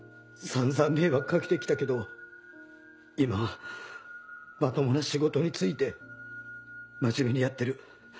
散々迷惑掛けて来たけど今はまともな仕事に就いて真面目にやってる。